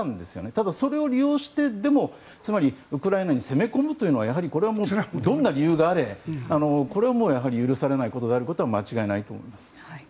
ただ、それを利用してでもウクライナに攻め込むというのはやはりこれはどんな理由があれこれはやはり許されないことであることは間違いないと思います。